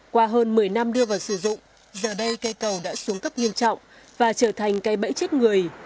qua hơn một mươi năm đưa vào sử dụng giờ đây cây cầu đã xuống cấp nghiêm trọng và trở thành cây bẫy chết người